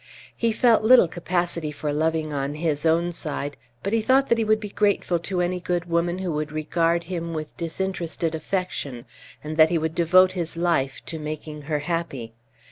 He felt little capacity for loving on his own side, but he thought that he would be grateful to any good woman who would regard him with disinterested affection, and that he would devote his life to making her happy.